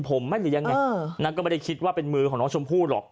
ผมไม่หรือยังไงก็ไม่ได้คิดว่าเป็นมือของน้องชมพู่หรอก